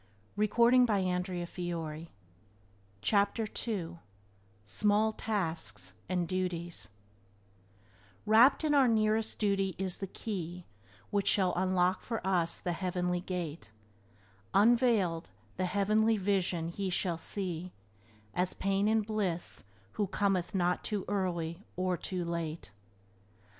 Byways to Blessedness by James Allen 8 Small Tasks and Duties "Wrapped in our nearest duty is the key Which shall unlock for us the Heavenly Gate: Unveiled, the Heavenly Vision he shall see, As pain and bliss Who cometh not too early or too late."